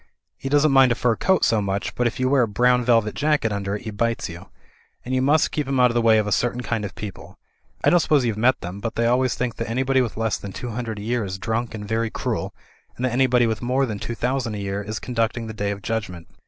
He doesn't mind a fur coat so much, but if you wear a brown velvet jacket under it, he bites you. And you must keep him out of the way of a certain kind of people. I don't suppose you've met them; but they always think that anybody with less than two hundred a year is drunk and very cruel, and that anybody with more than two thousand a year is conducting the Day of Judgment.